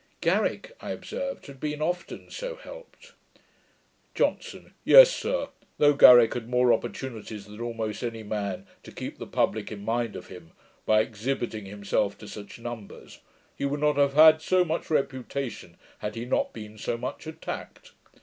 Garrick, I observed, had been often so helped. JOHNSON. 'Yes, sir; though Garrick had more opportunities than almost any man, to keep the publick in mind of him, by exhibiting himself to such numbers, he would not have had so much reputation, had he not been so much attacked.